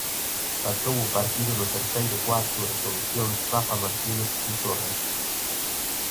Rachou o partido no terceiro cuarto e solucións Rafa Martínez fixo o resto.